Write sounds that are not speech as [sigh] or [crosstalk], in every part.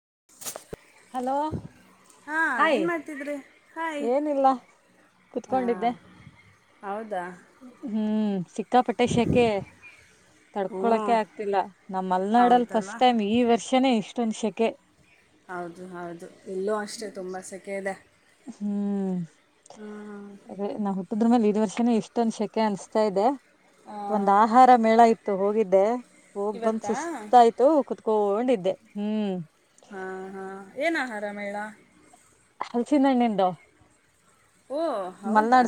[unintelligible] Hello ಹಾ hi ಏನು ಮಾಡ್ತಿದ್ರಿ ಹಾಯ್ ಏನಿಲ್ಲ ಕುತ್ಕೊಂಡಿದ್ದೆ ಹಾಂ ಹೌದಾ ಹ್ಮ್. ಸಿ. ಸುತ್ತಪಟ್ಟೆ ಶೆಖೆ ಹ್ಞೂ ತಡ್ಕೊಳಕೆ ಆಗ್ತಿಲ್ಲ ನಮ್ಮ್ ಮಲ್ನಾಡಲ್ಲಿ ಹೌದಲ್ಲ ಫಸ್ಟ್ ಟೈಮ್ ಈ ವರ್ಷನೇ ಇಷ್ಟು. ತುನ್ಸಕ್ಕೆೆ. ಹೌದು ಹೌದು ಇಲ್ಲೂ ಅಷ್ಟೆ ತುಂಬ ಸೆಕೆ ಇದೆ. ಹ್ಮ್. ಹ್ಞೂ ಅದೇ ನವುು. ಅ್ರ ಮೇಲೆ ಇದದು ವರ್ಷನ ಇಷ್ಟೊ ಒಂದ ಶೆಖೆ ಅನ್ಸ್ತಾ ಇದೆ. ಒಂದ್ ಆಹಾರ ಮೇಳ ಇತ್ತು. ಹೋಗಿದ್ದೆ. ಹೋಗ್ ಬಂದ್ ಇವತ್ತಾ ಸುಸ್ತ ಆಯ್ತು ಕುತ್. ಕೊಂಡಿದ್ದೆ ಹ್ಮ್. ಹಾ ಹಾ ಏನ್ ಆಹಾರ ಮೇಳ. ಹಲ್ಸಿನ ಹಣ್ಣಂದು. ಓಹ ಹೌದಾ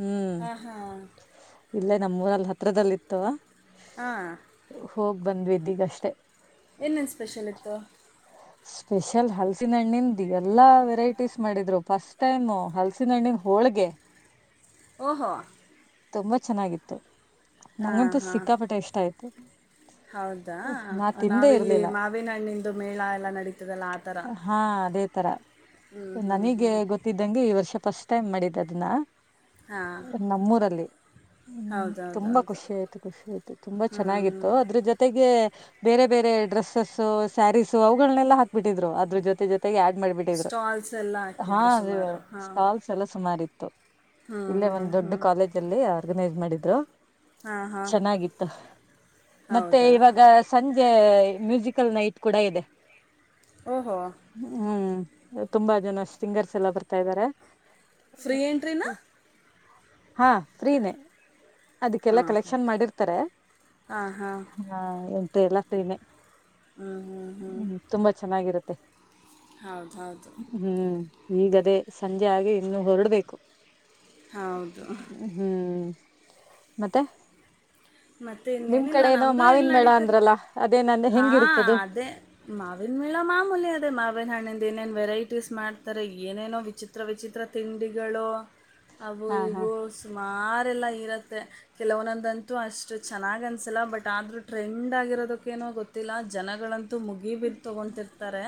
ಹ್ಮ್ ಹಾ ಹಾಂ. ಇಲ್ಲೇ ನಮ್ಮ್ೂರಲ್ಲಿ ಹತ್ರದಲ್ಲಿ ಇತ್ತುವ. ಹಾ. ಹೋಗ್ ಬಂದ್ವಿ ಇದೀಗಷ್ಟೇ. ಏನೇನು ಸ್ಪೆಷಲ್ ಇತ್ತು. ಸ್ಪೆಷಲ್ ಹಲ್ಸಿನ ಹಣ್ಣಿನನ್ ದ. ಎಲ್ಲಾ ವೆರೈಟೀಸ್ ಮಾಡಿದ್ರು ಫಸ್ಟ್ ಟೈಮ್ ಹಲ್ಸಿನ ಹಣ್ಣಿನ ಹೋಳಗೆ. ಹೋ. ತುಂಬಾ ಚೆನ್ನಾಗಿತ್ತು. ನಂಗಂತೂ ಹಾಂ ಸಿಕ್ಕಾಪಟ ಇಷ್ಟ ಆಯ್ ಹ. ಹೌದಾ ನಾವಿಲ್ಲಿ ಮಾವಿನಹಣ್ಣಿಂದು ಮೇಳ ಎಲ್ಲ ನಡೀತದಲ್ಲ ಆ ಥರ. ಹಾ ಅದೇ ತರ ಹ್ಞೂ ಹ್ಞೂ ಹ್ಞೂ ನನಗೆ ಗೊತ್ತಿದ್ದಂಗೆ ಈ ವರ್ಷ. ಫಸ್ಟ್ ಟೈಮ್ ಮಾಡಿದ್ದದನ್ನ. ಹಾಂ ನಮ್ಮೂರಲ್ಲಿ. ಹ್ಮ್ ತುಂಬಾ ಹೌದೌದೌದು ಖುಷಿ ಆಯ್ತು ಖುಷಿ ಆಯ್ತು ತುಂಬಾ ಹ್ಞೂ ಹ್ಞೂ ಚೆನ್ನಾಗಿತ್ತು ಅದ್ರ ಜೊತೆಗೆ. ಬೇರೆ ಬೇರೆ ಡ್ರೆಸ್ಸಸ್ಸು ಸ್ಯಾರೀಸು ಅವುಗಳನೆಲ್ಲಾ ಹಾಕ್ಬಿಟ್ಟಿದ್ರು ಅದ್ರ ಜೊತೆ ಜೊತೆಗೆ ಆ. ಮಾಡಬಿಟ್ಟಿದ್ರು ಸ್ಟಾಲ್ಸ್ ಎಲ್ಲ ಹಾ ಹಾಕಿದ್ರು ಅ ಸುಮಾರು ಹಾಂ ಸ್ಟಾಲ್ಸ್ ಎಲ್ಲ ಸುಮಾರ ಇತ್ತು. ತ. ಹ್ಞೂ ಇಲ್ಲೇ ಹ್ಞೂ ಒಂದ್ ದೊಡ್ಡ ಹ್ಞೂ ಕಾಲೇಜ್ ಅಲ್ಲಿ. ಆರ್ಗನೈಸ್ ಮಾಡಿದ್ರು. ಹಾಂ ಹಾಂ ಚೆನ್ನಾಗಿತ್ತು ಮತ್ತೆ ಹೌದಾ ಇವಾಗ ಸಂಜೆ ಮ್ಯೂಸಿಕ್ ಲ್ ನೈಟ್ ಕೂಡ ಇದೆ ಹೋ ಹ್ಮ್ ತುಂಬಾ ಜನ ಸಿಂಗರ್ಸ್ ಎಲ್ಲ ಬರ್ತಾ ಇದ್ದಾರೆ ಫ್ರೀ ಏಂಟ್ರಿನ ಹಾ ಫ್ರೀನೆ ಅದಕ್ಕೆಲ್ಲ ಹಾಂ ಕಲೆಕ್ಷನ್ ಮಾಡಿರ್ತಾರೆ ಹಾಂ ಹಾಂ ಹ ಎಲ್ಲಾ ಸೆ ಹಾಂ ಹ್ಞೂ ಹ್ಮ್ ತುಂಬಾ ಚೆನ್ನಾಗಿರುತ್ತೆ ಹೌದ ಹೌದು ಹ್ಮ್ ಈಗದೇ ಸಂಜೆ ಆಗಿ ಇನ್ನು ಹೊರಡ್ಬೇಕು ಹೌದು ಹ್ಮ್ ಮತ್ತೆ ಮತ್ತೆ ನಿಮ್ ಇನ್ನೇನಿಲ್ಲ ಕಡೆ ಏನೋ ನಮ್ದು ಇಲ್ಲಿ ಮಾವಿನ ಮೇಳ ನಡೀತಾರೆ ಅಂದ್ರಲ್ಲ ಅದೇ ನನ್ ಹಾ ಹೆಂಗಿರುತ್ತದು ಅದೇ ಮಾವಿನ ಮೇಳ ಮಾಮೂಲಿ ಅದೇ ಮಾವಿನ ಹಣ್ಣ ಇದ ಏನೇನ್ ವೆರೈಟೀಸ್ ಮಾಡ್ತಾರೆ ಏನೇನೋ ವಿಚಿತ್ರ ವಿಚಿತ್ರ ತಿಂಡಿಗಳು ಅಬೂ ಹಾ ಹಾ ಇಗೋ ಸುಮಾರ್ ಎಲ್ಲ ಇರುತ್ತೆ ಕೆಲವೊಂದ- ಅಷ್ಟು ಚೆನ್ನಾಗಿ್ ಅನ್ಸಲ್ಲ ಬಟ್ ಆದ್ರೂ ಟ್ರೆಂಡ್ ಆಗಿರೋದಕ್ಕೇನೋ ಗೊತ್ತಿಲ್ಲ ಜನಗಳಂತ ಮುಗಿ ಬೀರ್ ತಗೊಂತಿರ್ತಾರೆ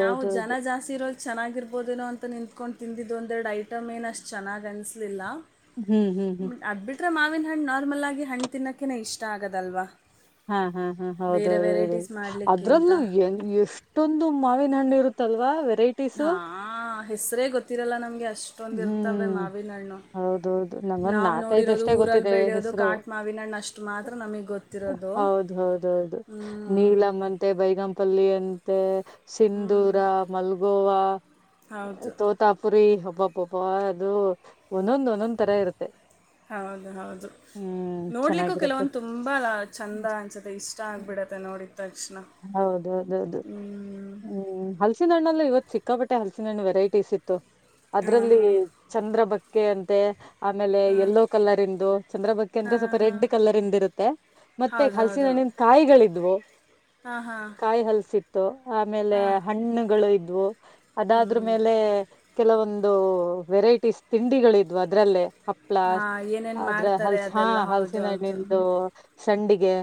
ನಾವು ಜನ ಜಾಸ್ತಿ ಇರೋ ಚೆನ್ನಾಗಿರ್ಬೋದೇನೋ ಅಂತ ನಿಂತ್ಕೊಂಡು ತಿಂದಿದ್ದು ಒಂದೆರಡು ಐಟಮ್ ಏನು ಅಷ್ಟು ಚೆನ್ನಾಗಿ ಅನ್ನಿಸಲಿಲ್ಲ ಹ್ಮ್ ಹ್ಮ್ ಹ್ಮ್ ತ್ರ ಮಾವಿನ ಹನ್ ನಾ ನಾರ್ಮಲ್ ಆಗಿ ಹಣಗೆ ತಿನ್ನೋಕ್ಕೆೆ ಇಷ್ಟ ಆಗದಲ್ವಾ ಹಾ ಹಾ ಹಾ ಹೌದೌ ಮಾಡಲಿಕ್ಕಿಂತ ಅದ್ರಲ್ಲೂ ಎಷ್ಟೊಂದು ಮಾವಿನ ಹಣ್ಣು ಇರುತ್ತೆ ತಲ್ವಾ ರೇಟಿಸು ಹಾಂ ಹೆಸರೇ ಗೊತ್ತಿರಲ್ಲ ನಮಗೆ ಅಷ್ಟ ಹ್ಮ್ ಹೌದೌದು ನಂಗೊಂದ ನಾವು ನಾಕ್ ನೋಡಿರೋದು ಇದ್ದಷ್ಟೇ ಊರಲ್ಲಿ ಗೊತ್ತಿದೆ ಬೆಳೆಯೋದು ಹೆಸರು ಕಾಟು ಮಾವಿನ ಹಣ್ಣು ಅಷ್ಟು ಮಾತ್ರ ನಮಗೆ ಗೊತ್ತಿರೋದು ಹೌದು ಹೌದೌದು ಹ್ಮ್. ನೀಲಮಂತೆ ಬೈಗಂಪಲ್ಲಿ ಮತ್ತು ಹ್ಮ್. ಸಿಂಧೂರ ಮಲ್ಗೋವಾ ಹೌದು ತೋತಾಪುರಿ ಹಬ್ಬ ಪಾಪಾ ಅದು ಒಂದೊಂದ್ ಒಂದೊಂದ್ ತರ ಇರುತ್ತೆ ಹೌದು ಹೌದು ಹ್ಮ್ ನೋಡ್ಲಿಕ್ಕೂ ಚೆನ್ನಾಗಿರುತ್ತೆ ಕೆಲವೊಂದು ತುಂಬಾ ಚಂದ ಅನ್ಸತ್ತೆ ಇಷ್ಟ ಆಗ್ಬಿಡತ್ತೆ ನೋಡಿದ ತಕ್ಷಣ ಹೌದೌದೌದು ಹ್ಞೂ ಹ್ಮ್ ಹಲ್ಸಿನ ಹಣ್ಣಲ್ಲ ಇವತ್ತು ಸಿಕ್ಕಾಪಟ್ಟೆ ಹಲ್ಸಿನ ಹಣ್ಣು ವೆರೈಟೀಸ್ ಇತ್ತು ಹಾಂ ಅದ್ರಲ್ಲಿ ಹಾಂ ಚಂದ್ರ ಭಕ್ತಿ ಕೆ ಎಂತೆ ಆಮೇಲೆ ಹಾಂ ಯಲ್ಲೋ ಕಲರ್ ಇಂದು ಚಂದ್ರ ಬಕ್ಕೆಿ ಅಂದ್ರೆ ಹಾಂ ಸ್ವಲ್ಪ ರೆಡ್ ಹಾಂ ಕಲರ್ ಇಂದ ಇರುತ್ತೆ ಮತ್ತೆ ಹಲ್ಸಿನ ಹಣ್ಣಿನ ಕಾಯಿಗಳಿದ್ವು ಆಾ ಹಾ ಶತ ಆಮೇಲೆ ಹಣ್ಣುಗಳು ಇದ್ದ ಜ ಹ್ಞೂ ಅದಾದ್ರ ಮೇಲೆ ಕೆಲವೊಂದು ವೆರೈಟೀಸ್ ತಿಂಡಿಗಳಿದ್ವು ಅದ್ರಲ್ಲೇ ಹಪ್ಳ ಹಾಂ ಏನೇನು ಆದ್ರ ಮಾಡ್ತಾರೆ ಹಲ್ಸ ಹಾ ಅದೆಲ್ಲ ಹೌದು ಹಲ್ಸಿನ ಹೌದು ಹಣ್ಣಿಂದು ಹ್ಞೂ ಸಂಡಿಗೆ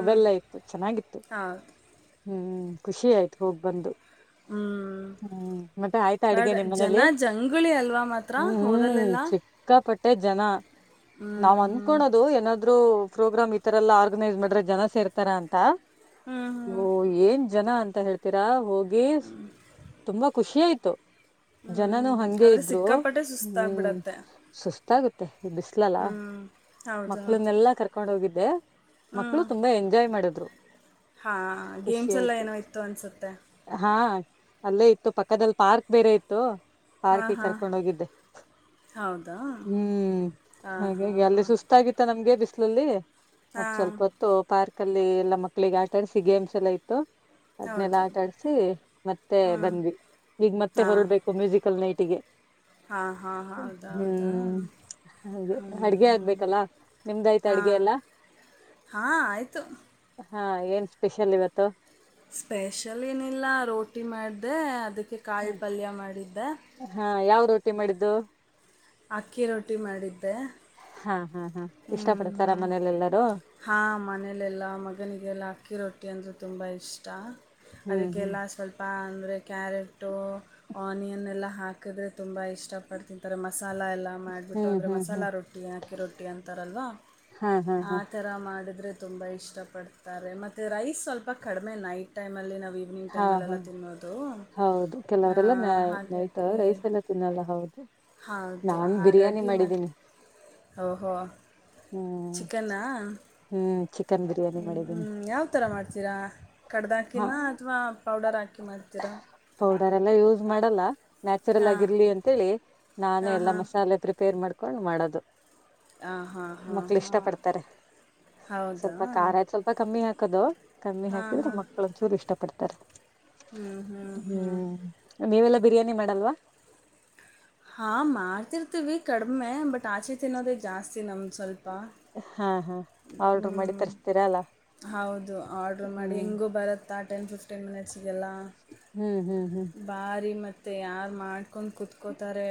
ಅವದೆಲ್ಲ ಇತ್ತುು ಚೆನ್ನಾಗಿತ್ತು ಹಾ ಹ್ಮ್ ಖುಷಿ ಆಯ್ತು ಹೋಗ್ ಬಂದು ಹ್ಞೂ ಹ್ಮ್ ಮತ್ತೆ ಆಯ್ತಾ ಅಡ್ಗೆ ಬಟ್ ನಿಮ್ಮ್ ಜನ ಮನೇಲಿ ಜಂಗುಳಿ ಅಲ್ವಾ ಮಾತ್ರ ಹ್ಮ್ ಹ್ಮ್ ಹೋದಲ್ಲೆಲ್ಲ ಚಿಕ್ಕಾಪಟ್ಟೆ ಜನ ಹ್ಞೂ ನಾವ್ ಹ್ಞೂ ಅನ್ಕೋಳೋದು ಏನಾದ ಆದ್ರು ಪ್ರೋಗ್ರಾಮ್ ಈತರ ಎಲ್ಲಾ ಆರ್ಗನೈಸ್ ಮಾಡ್ರೆ ಜನ ಸೇರ್ತಾರ ಅಂತ ಹ್ಞೂ ಹ್ಞೂ ಓ ಏನ್ ಜನ ಅಂತ ಹೇಳ್ತೀರಾ ಹೋಗಿ ಬೇ ತುಂಬಂಬ ಖುಷಿಯ ಆಾಯಯ್ತು ಹ್ಞೂ ಜನನು ಹಂಗೆ ಆದರೆ ಇದ್ರು ಸಿಕ್ಕಾಪಟ್ಟೆ ಹ್ಮ್ ಸುಸ್ತಾಗ್ಬಿಡತ್ತೆ ಸುಸ್ತಾಗುತ್ತೆ ಬಿಸ್ಲಲ್ಲ ಹ್ಞೂ ಹೌದು ಹೌದು ಮಕ್ಳನ್ನೆಲ್ಲಾ ಕರ್ಕೊಂಡ್ ಹೋಗಿದ್ದೆ ಮಕ್ಳು ತುಂಬಾ ಎಂಜಾಯ್ ಮಾಡಿದ್ರು ಹಾ ಖುಷಿ ಗೇಮ್ಸ್ ಎಲ್ಲ ಆಯ್ತು ಏನೋ ಇತ್ತು ಅನ್ಸುತ್ತೆ ಹಾ ಅಲ್ಲೇ ಇತ್ತು ಪಕ್ಕದಲ್ಲಿ ಪಾರ್ಕ್ ಬೇರೆ ಇತ್ತು ಹಾಂ ಪಾರ್ಕಿ ಹಾಂ ಕರ್ಕೊಂಡ ಹೋಗಿದ್ದೆ ಹೌದಾ ಹ್ಮ್ ಹಾಂ ಹಾಂ ಹಾಗೆೆ ಅಲ್ಲಿ ಹಾಂ ಸುಸ್ತಾಗಿತ್ತ ನಮ್ಗೆ ಬ್ ಲ್ಲಿಗೆ ಮತ್ ಸ್ವಲ್ಪ ಹಾಂ ಹೊತ್ತು ಪಾರ್ಕ್ ಮಲ್ಲಿ ಎಲ್ಲ ಮಕ್ಕ ಮಕ್ಕಳಿಗೆ ಆಟಾಡಸಿ ಗೇಮ್ಸ್ ಎಲ್ಲಾ ಇತ್ತು ಅದ್ನೆಲ್ಲಾ ಹೌದು ಆಟಾಡ್ಸಿ ಮತ್ತೆ ಹ್ಞೂ ಬಂದ್ವಿ ಈಗ್ ಮತ್ತೆ ಹೊರಡ್ಬೇಕು ಮ್ಯೂಸಿಕಲ್ ನೈಟ್ ತಿಗೆ ಹಾ ಹಾಂ ಹೌದಾ ಹೌದಾ ಹಾಗೆ ಹಾ ಅಡ್ಗೆ ಹ್ಞ ಆಗ್ಬೇಕಲ್ಲ ನಿಮ್ದಾಯ್ತ ಅಡ್ಗೆ ಹಾಂ ಎಲ್ಲಾ ಹಾ ಆಯಿತು ಹಾ ಏನ್ ಸ್ಪೆಷಲ್ ಇವತ್ತು ಸ್ಪೆಷಲ್ ಏನಿಲ್ಲ ರೋಟಿ ಮಾಡಿದೆ ಅದಕ್ಕೆ ಕಾಳು ಹ್ಮ ಪಲ್ಯ ಮಾಡಿದ್ದೆ ಹಾ ಯಾವ್ ರೋಟಿ ಮಾಡಿದ ದ ಅಕ್ಕಿ ರೊಟ್ಟಿ ಮಾಡಿದ್ದೆ ಹಾ ಹಾ ಹಾ ಇಷ್ಟ ಹ್ಞ ಪಡ್ತಾರ ಹ್ಞ ಮನೇಲೆಲ್ಲಾರು ಹಾಂ ಮನಲೆೆಲ್ಲ ಮಗನಿಗೆಲ್ಲ ಅಕ್ಕಿ ರೊಟ್ಟಿ ಟಿ ಅಂದ ತುಂಬಾ ಇಷ್ಟ ಹ್ಮ್ ಹ್ಮ್ ಅದಕ್ಕೆಲ್ಲ ಸ್ವಲ್ಪ ಕ್ಯಾರೆಟ್ ಆನಿಯನ್ ಎಲ್ಲಾ ಹಾಕಿದ್ರೆ ತುಂಬಾ ಇಷ್ಟ ಪಡ್ ತಿಂತಾರೆ ಮಸ ಮಸಾಲ ಎಲ್ಲ ಮಾಡಿಬಿಟ್ಟು ಹ್ಮ್ ಅಂದರೆ ಹ್ಮ್ ಹ್ಮ್ ಮಸಾಲ ರೊಟ್ಟಿ ಹಾಕಿ ರೊಟ್ಟಿ ಿ ಅಂತಾರಲ್ವಾ ಹಾ ಹಾ ಹಾ ಆರ ಮಾಡಿದ್ರೆ ತುಂಬಾ ಇಷ್ಟ ಪಡ್ತಾರೆ ಮತ್ತೆ ರೈಸ್ ಸ್ವಲ್ಪ ಕಡಿಮೆ ನೈಟ್ ಟೈಮ್ ಅಲ್ಲಿ ನ ಹಾ ಹಾ ಹೌದು ಕೆಲವರೆಲ್ಲ ನ ನೈಟ್ ಹಾಗಾಗಿ ರೈಸ್ ಎಲ್ಲ ತಿನ್ನಲ್ಲ ಹೌದು ನಾನ್ ಬಿರಿಯಾನಿ ಮಾಡಿದ್ದೀನಿ ಹೋ ಹ್ಮ್ ಚಿಕನ್ನ ಹ್ಮ್ ಚಿಕನ್ ಬಿರಿಯಾನಿ ಮಾಡಿದ್ದೀನಿ ಹ್ಞೂ ಯಾವ ಥರ ಮಾಡ್ತೀರಾ ಹ ಕಡ್ದಾಕಿನ ಅಥವಾ ಪೌಡರ್ ಹಾಕಿ ಮಾಡ್ತೀರಾ ಪೌಡರ್ ಎಲ್ಲ ಯೂಸ್ ಮಾಡಲ್ಲ ನ್ಯಾಚುರಲ್ ಆಗಿರ್ಲಿ ಹಾಂ ಅಂತೇಳಿ ನಾನೇ ಎಲ್ಲಾ ಹಾಂ ಮಸಾಲೆ ಪ್ರಿಪೇರ್ ಮಾಡ್ಕಿ ಕೊಂಡು ಮಾಡೋದು ಹಾಂ ಹಾಂ ಹಾಂ ಹಾಂ ಮಕ್ಳ ಇಷ್ಟ ಹಾಂ ಪಡ್ತಾರೆ ಹೌದಾ ಸ್ವಲ್ಪ ಖಾರ ಆಯ್ತು ಸ್ವಲ್ಪ ಕಮ್ಮಿ ಹಾಕದು ಕಮ್ಮಿ ಹಾಂ ಹಾಕಿದ್ರೆ ಹಾಂ ಮಕ್ಕಳಂದ ಚೂರು ಇಷ್ಟ ಪಡ್ತಾರೆ ತ ಹ್ಞೂ ಹ್ಞೂ ಹ್ಞೂ ನೀವೆಲ್ಲ ಬಿರಿಯಾನಿ ಮಾಡಲ್ವಾ ಹಾಂ ಮಾಡ್ತಿರ್ತೀವಿ ಕಡಿಮೆ ಬಟ್ ಆಚೆ ತಿನ್ನೋದೇ ಜಾಸ್ತಿ ನಮ್ದು ಸ್ವಲ್ಪ ಹಾ ಹಾ ಆರ್ಡ್ರ ಮಾಡಿ ತರಿಸತೀರಾ ಅಲ್ಲ ಹೌದು ಆರ್ಡ ಮಾಡಿ ಹ್ಮ್ ಹೆಂಗೂ ಬರತ್ತೆ ಆಟಂಡ [inaudible] ಫಫ್ಟಿ ಮಿನಿಟ್ಸ್ ಗೆಲ್ಲ ಹ್ಮ್ ಹ್ಮ್ ಹ್ಮ್ ಭಾರಿ ಮತ್ತು ತಯಾರ ಮಾಡಿ ಕತ್ಕೊಂಡು ಕುತ್ಕೋತಾರೆ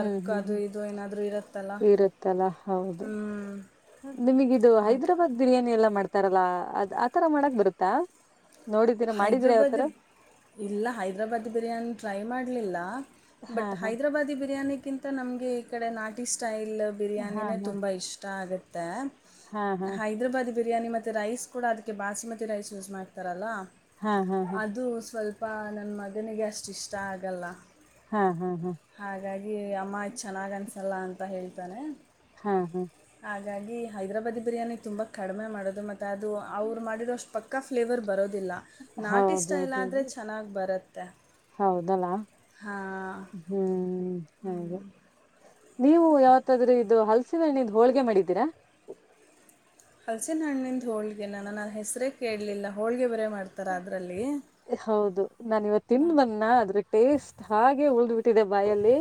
ಹ್ಮ್ ಹ್ಮ್ ಅದು ಹ್ಮ್ ಇದು ಏನಾದರೂ ಇರುತ್ತಲ್ಲ ಇರುತ್ತಲ್ಲ ಹೌದು ಹ್ಞೂ ನಿಮಗ ಇದು ಹಾಗೆ ಹೈದ್ರಾಬಾದ್ ಬಿರಿಯಾನಿ ಎಲ್ಲ ಮಾಡ್ತ ತರಲ್ಲಾ ಅದ್ ಆತರ ಮಾಡಕ್ ಬರುತ್ತಾ ನೋಡಿದ್ದೀರಾ ಮಾಡಿದೀರಾ ಯಾವತರ ಹೈದ್ರಾಬಾದಿ ಇಲ್ಲ ಹೈದ್ರಾಬಾದ್ ಬಿರಿಯಾನಿ ಟ್ರೈ ಮಾಡಲಿಲ್ಲ ಹಾ ಬಟ್ ಹಾ ಹೈದ್ರಾಬಾದಿ ಬಿರಿಯಾನಿಗಿಂತ ನಮ್ಗೆ ಈ ಕಡೆ ನಾಟಿಸ ಸ್ಟೈಲ್ ಇಲ್ಲ ಹಾ ಬಿರಿಯಾನಿನೇ ತುಂಬಾ ಇಷ್ಟ ಆಗತ್ತೆ ತಾ ಹಾ ಹಾ ಹೈದ್ರಾಬಾದಿ ಬಿರಿಯಾನಿ ಮತ್ತೆ ಮತ್ತು ರೈಸ್ ಕೂಡ ಅದಕ್ಕೆ ಬಾಸುಮತಿ ರೈಸ್ ಯೂಸ್ ಮಾಡ್ತಾರಲ್ಲ ಹಾ ಹಾ ಹಾ ಅದು ಸ್ವಲ್ಪ ಅಪ್ಪ ನನ್ನ ಮಗನಿಗೆ ಅಷ್ಟು ಇಷ್ಟ ಆಗಲ್ಲ ಹಾ ಹಾ ಹಾ ಹಾಗಾಗಿ ಅಮ್ಮ ಚೆನ್ನಾಗ್ ಅನ್ಸುತ್ತೆ ಅಲ್ಲ ಅಂತ ಹೇಳ್ತಾನೆ ಹಾ ಹಾ ಹಾಗಾಗಿ ಹೈದ್ರಾಬಾದಿ ಬಿರಿಯಾನಿ ತುಂಬಾ ಕಡಿಮೆ ಮಾಡೋದು ಮತ್ತೆ ಅದು ಅವ್ರು ಮಾಡಿರ ಅಷ್ಟು ಪಕ್ಕ ಫ್ಲೇವರ್ ಬರೋದಿಲ್ಲ ನಾಟಿ ಸ್ಟೈಲ್ ಆದರೆ ಹೌದೌದುದು ಚೆನ್ನಾಗಿ ಬರುತ್ತೆ ಹೌದಲ್ಲಾ ಹಾಂ ಹ್ಮ್ ಹಾಗೆ ನೀವು ಯಾವತ್ತಾದ್ರೂ ಇದು ಹಲ್ಸಿನ ಹಣ್ಣಿಂದ ಹೋಳ್ಗೆ ಮಾಡಿದ್ದೀರಾ? ಹಲಸಿ ನಣ್ಣಿಂದ ಹೋಳ್ಗೆ ನನ್ನ ಹೆಸರೇ ಕೇಳಲಿಲ್ಲ ಹೋಳ್ಗೆ ಬರ ಹೌದು ನಾನ್ ಇವತ್ ತಿನ್ಬನ್ನ ಅದ್ರೆ ಟೇಸ್ಟ್ ಹಾಗೆ ಉಳ್ದ್ ಬಿಟ್ಟಿದೆ ಬಾಯಲ್ಲಿ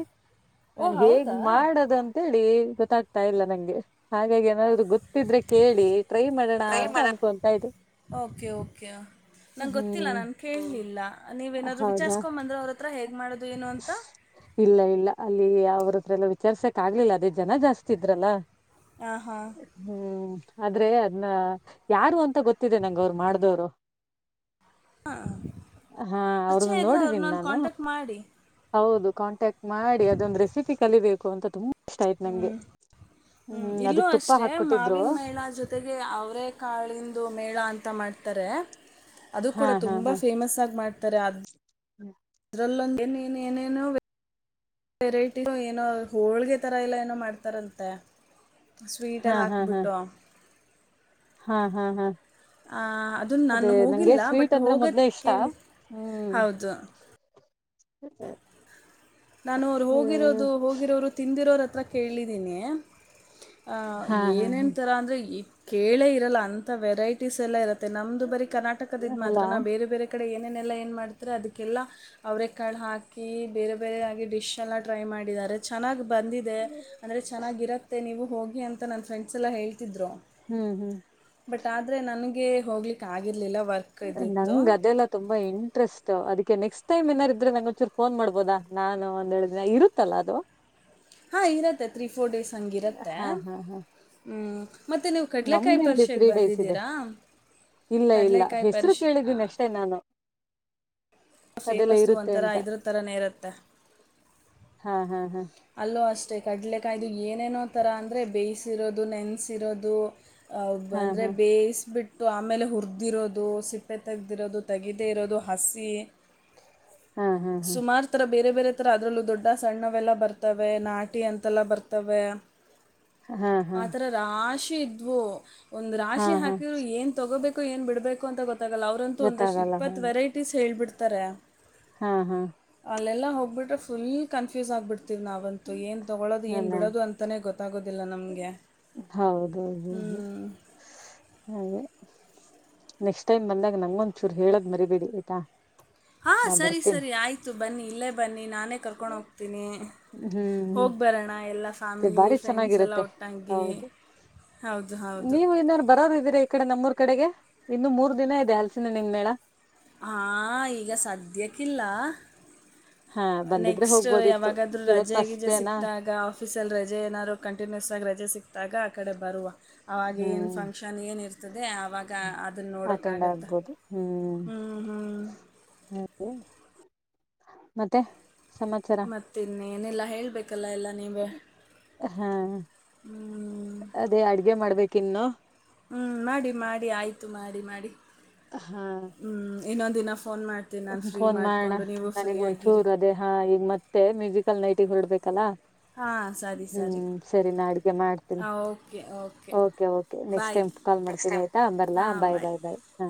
ಓ ನನ್ ಹೇಗ್ ಹೌದಾ ಮಾಡದಂತೇಳಿ ಗೊತ್ತಾಗ್ತಾ ಇಲ್ಲ ನಂಗೆ ಹಾಗಾಗಿ ಏನಾದರು ಗೊತ್ತಿದ್ರೆ ಕೇಳಿ ಟ್ರೈ ಮಾಡೋಣ ಅಂತ ಅನ್ಕೊತಾ ಇದೆ ಓಕೆ ಓಕೆ ನಂಗೆ ಗೊತ್ತಿಲ್ಲ ನನಗೆ ಇಲ್ಲ ನೀವೇಏನಾದರೂ ಹೌದಾ ವಿಚಾರಿಸ್ಕೊಂಬಂದ್ರೆ ಅವ್ರ ಹತ್ರ ಹೇಗೆ ಮಾಡೋದು ಏನು ಅಂತ ಅವ್ರತ್ರ ಎಲ್ಲ ವಿಚಾರ್ಸಕ್ ಆಗ್ಲಿಲ್ಲ ಅದೇ ಜನ ಜಾಸ್ತಿ ಇದ್ರಲ್ಲ ಹಾಂ ಹಾಂ ಹ್ಮ್ ಆದ್ರೆ ಅದನ್ನ ಯಾರು ಅಂತ ಗೊತ್ತಿದೆ ನಂಗ ಅವ್ರು ಮಾಡ್ದವರು ಹ ಹ ಹಾ ಅವ್ರನ್ನು ನೋಡಿದೀನಿ ನಾನು ಮಾಡಿ ಹೌದು ಕಾಂಟ್ಯಾಕ್ಟ್ ಮಾಡಿ ಅದೊಂದು ರೆಸಿಪಿ ಕಲಿಬೇಕು ಅಂತ ತುಂಬ ಹ್ಮ್ ಹ್ಮ್ ಇಲ್ಲೂ ಅದಕ್ ತುಪ್ಪ ಅಷ್ಟೆ ಹಾಕೊಟ್ಟಿದ್ರು ಮಾವಿನ ಮೇಳ ಜೊತೆಗೆ ಅವರೇ ಕಾಳಂದು ಮೇಳ ಅಂತ ಅ ಊಟ ಮಾಡ್ತಾರೆ ಅದು ಹಾ ಕೂಡ ತುಂಬಾ ಫೇಮಸ್ ಆಗಿ ಮಾಡ್ತಾರೆ ಅ ಹ್ಮ್ ಅದ್ರಲ್ಲೊಂದು ಏ ಏನೇನೋ ವೆರೈಟಿ ಏನೋ ಹೋಳ್ಗೆ ತರ ಎಲ್ಲ ಏನೋ ಮಾಡ್ತಾರಂತೆ ಹಾ ಸ್ವೀಟನ್ನು ಹಾ ಹಾ ಹಾಕ್ಬಿಟ್ಟು ಹಾ ಹಾ ಹಾ ಅದನ್ನು ಅದೇ ನಾನು ನಂಗೆ ಹೋಗಿಲ್ಲ ಸ್ವೀಟ್ ಬಟ್ ಅಂದ್ರೆ ಮೊದ್ಲೇ ಹೋಗಕ್ಕೆ ಇಷ್ಟ ಕೇಳಿ ಹೌದು ಹ್ಮ ನಾನು ಅವ್ರು ಹೋಗಿರೋದು ಹೋಗಿರೋರು ತಿಂದಿರೋರ ಹತ್ರ ಕೇಳಿದ್ದೀನಿ ಹಾ [unintelligible] ಹಾ ಹಾ ಏನೇನು ಥರ ಅಂದರೆ ಈ ಕೇಳೇ ಇರಲ್ಲ ಅಂ ವೆರೈಟೀಸ್ ಎಲ್ಲ ಇರತ್ತೆ ನಮ್ದು ಬರಿ ಕರ್ನಾಟಕದ ಮಾತ್ರ ಅಲ್ಲಾ ನಾ ಬೇರೆ ಬೇರೆ ಕಡೆ ಏ ಲ್ಲ ಏನ್ ಮಾಡ್ತಾರೆ ಅದಕ್ಕೆಲ್ಲ ಅವ್ರ ಕಾ ಹಾಕಿ ಬೇರೆ ಬೇರೆದಾಗಿ ಡಿಶ್ ಎಲ್ಲ ಟ್ರೈ ಮಾಡಿದ್ದಾರೆ ಚೆನ್ನಾಗಿ ಬಂದಿದೆ ಅಂದರೆ ಚೆನ್ನಾಗಿರುತ್ತೆ ನೀವು ಹೋಗಿ ಅಂತ ನನ್ ಫ್ರೆಂಡಸ್ ಎಲ್ಲ ಹೇಳಿ ರು ಹ್ಮ್ ಹ್ಮ್ ಬಟ್ ಆದ್ರೆ ನನಗೆ ಹೋಗ್ಲಿಕ್ ಆಗಿರ್ಲಿಲ್ಲ ನಂಗ ಅದೆಲ್ಲ ತುಂಬಾ ಇಂಟ್ರೆಸ್ಟ್ ಅದಕ್ಕೆ ನೆಕ್ಸ್ಟ್ ಟೈಮ್ ಏನಾರಿದ್ರೆ ನಂಗ ಒಚ್ಚೂರು ಫೋನ್ ಮಾಡ್ಬೋದ ನಾನು ಅಂದ್ ಹೇಳಿದಿನ ಇರುತ್ತಲ್ಲ ಅದು ಹಾಂ ಇರುತ್ತೆ ತ್ರೀ ಫೋರ್ ಡೇಸ್ ಹಂಗಿರುತ್ತೆ ಹಾ ಹಾ ಹಾ ಹ ನಮ್ದು ಇಲ್ಲಿ ತ್ರೀ ಡೇಸ್ ಇದೆ ಇಲ್ಲ ಇಲ್ಲ ಕಡಲೆಕಾಯಿ ಹೆಸರು ಪರಿಷೆ ಕೇಳಿದೀನ ಅಷ್ಟೇ ನಾನು ಅದೆಲ್ಲ ಫೇಮಸ್ಸು ಇರುತ್ತೆ ಒಂಥರ ಅಂತ ಇದ್ರ ತಥರನೇ ಇರುತ್ತೆ ಹಾ ಹಾ ಹಾ ಅಲ್ಲೂ ಅಷ್ಟೇ ಕಡಲೆಕಾಯ್ದು ಏನೇನೋ ತರ ಅಂದ್ರೆ ಬೇಯಿಸಿರೋದು ಇದು ಲೆನ್ಸ್ ಇರೋದು ಅ ಹಾ ಅಂದ್ರೆ ಬೇಯಿಸಬಿಟ್ಟ ಆಮೇಲೆ ಹುರಿದಿರೋದು ಸಿಪ್ಪೆ ತೆೆಗೆದಿರೋದು ತೆಗದೇ ಇರೋದು ಹಸಿ ಹಾ ಹಾ ಹಾ ಸುಮಾರು ಥರ ಬೇರೆ ಬೇರೆ ತರ ಅದಲ್ಲೂ ದೊಡ್ಡ ಸಣ್ಣವೆಲ್ಲ ಬತ್ತೆ ರ್ತವೆ ನಾಟಿ ಅಂತೆಲ್ಲ ಬರ್ತವೆ ಹಾ ಹಾ ಹಾ ಆಥರ ರಾಶಿ ಇದ್ವು ಒಂದ್ ಹಾ ರಾಶಿ ಹಾ ಹಾಕಿರರು ಏನ್ ತೊಗೋಬೇಕು [unintelligible] ಏನ್ ಬಿಡ್ಬೇಕು ಅಂತ ಗೊ ಲ್ಲ ಅವ್ರಂತೂ ಒಂದಷ್ಟ ಗೊತ್ತಾಗಲ್ಲ ಇಪ್ಪತ್ತು ಹೌದು ವೆರೈಟೀಸ್ ಹೇಳ್ಬಿಡ್ತಾರೆ. ತ್ತರ ಹಾ ಹಾ ಅಲ್ಲ ಹೋಗಬಿ್ರೆ ುಲ್ ಕನ್ಫ್ಯೂಸ್ ಆಗ್ಬಿಟ್ಟೆ ನಾವಂತೂ ಏ ತೊಳ್ಳೋದು ಅಲ್ಲ ಏಡೋ ಅ ಗೊತ್ತಾಗೋದಿಲ್ಲ ನ ಹ ಹೌದೌದೌದು ಹಾಗೆ ನೆಕ್ಸ್ಟ್ ಟೈಮ್ ಬಂದಾಗ ನಂಗೊಂದ್ ಚೂರು ಹೇಳದ್ ಮರಿಬೇಡಿ ಆಯ್ತಾ ಹಾ ನಾ ಸರಿ ಬರ್ತೀನಿ ಸರಿ ಆಯ್ತು ಬನ್ನಿ ಇಲ್ಲೇ ಬನ್ನಿ ನೀ ನಾನೇ ಕರ್ಕೊಂಡು ಹೋಗ್ತೀನಿ ಹ್ಮ್ ಹ್ಮ್ ಹೋಗಿ ಬರೋಣ ಎಲ್ಲ ಮತ್ತೆ ಫ್ಯಾಮಿಲಿ ಬಾರಿ ಫ್ರೆಂಡ್ಸ ಎಲ್ಲ ಚೆನ್ನಾಗಿರುತ್ತೆ ಒಟ್ಟಾಗಿ ಹೌದು ಹೌದು ಹೌದು. ನೀವು ಇನ್ನಾರು ಬರೋರು ಇದೀರಾ ಈ ಕಡೆ ನಮ್ಮೂರ್ ಕಡೆಗೆ ಇನ್ನು ಮೂರ್ ದಿನ ಇದೆ ಹಲ್ಸಿನ ನಿನ್ ಮೇಳ ಹಾ ಈಗ ಸದ್ಯಕ್ಕಿಲ್ಲ ಹಾ ಬಂದಿದ್ರೆ ನೆಕ್ಸ್ಟ್ ಹೋಗ್ಬೋದಿತ್ತು ಯಾವಾಗಾದ್ೂ ಇವತ್ ರಜೆ ಫಸ್ಟ್ ಗೀಜ ಡೇನಾ ಸಿಕ್ತ ಆಾಗ ಆಫೀಸ ಅಲ್ಲಿ ರಜೆ ಏನಾರೋ ಕಂಟಿನ್ಯೂಸ್ ಆಗಿ ರಜೆ ಸಿಕ್ಕಿದಾಗ ಆ ಕಡೆ ಬರುವ ಆಾಗ ಏನು ಹ್ಮ್ ಫಂಕ್ಷನ್ ಏನಿರ್ತದೆ ಆವಾಗ ಅದನ್ನ ಅಟೆಂಡ್ ನೋಡೋಕ್ಕಾಗತ್ತಾ ಆಗ್ಬೋದು ಹ್ಮ್ ಹ್ಞ ಹ್ಞ ಹಾಗೆ ಮತ್ತೆ ಸಮಾಚಾರ ಮತ್ತ ಇನ್ನ ಏನೆಲ್ಲ? ಹೇಳ್ಬೇಕು ಹಾ ಹ್ಞೂ ಅದೇ ಅಡ್ಗೆ ಮಾಡ್ಬೇಕು ಕನ್ನ ಹ್ಞೂ ಮಾಡಿ ಮಾಡಿ ಆಯಿತು ಮಾಡಿ ಮಾಡಿ ಹಾ ಇ ದಿನ ಫೋನ್ ಮಾಡ್ತೀನಿ ನಾನು ಫ್ರೀ ಫೋನ್ ಮಾಡೋಣ ಮಾಡಿಕೊಂಡು ನೀವು ಫ್ರೀ ನನಗ್ ಆಗಿರಿ ಒಂಚೂರು ಅದೇ ಹಾ ಈಗ ಮತ್ತೆ ಮ್ಯೂಸಿಕಲ್ ನೈಟ್ ಹೊರಡ್ಬೇಕಲ್ಲಾ ಹಾಂ ಸರಿ ಹ್ಮ್ ಸರಿ ಸರಿ ನಾ ಅಡ್ಗೆ ಮಾಡ್ತೀನಿ ಹಾಂ ಓಕೆ ಓಕೆ ೆ ನೆಕ್ಸ್ಟ್ ಬಾಯ್ ಟೈಮ್ ಕಾಲ್ ಮಾಡ್ತೀನಿ ಆಯ್ತಾ ಬರ್ಲಾ ಬಾಯ್ ಬಾಯ್ ಬಾಯ್ ಹ